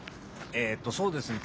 えっとそうですね